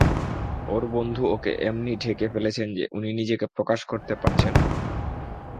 ওঁর বন্ধু ওঁকে এমনি ঢেকে ফেলেছেন যে উনি নিজেকে প্রকাশ করতে পারছেন না।